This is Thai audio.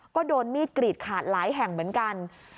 ก็โดนมีดกรีดขาดหลายแห่งเหมือนกัน